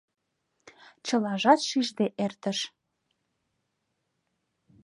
Чылажат шижде эртыш.